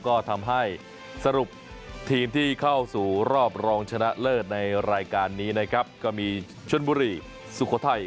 ก็ทำให้สรุปทีมที่เข้าสู่รอบรองชนะเลิศในรายการนี้นะครับก็มีชนบุรีสุโขทัย